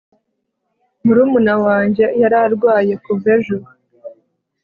murumuna wanjye yararwaye kuva ejo